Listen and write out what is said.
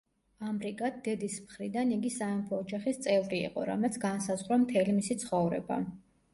ამრიგად, დედის მხრიდან იგი სამეფო ოჯახის წევრი იყო, რამაც განსაზღვრა მთელი მისი ცხოვრება.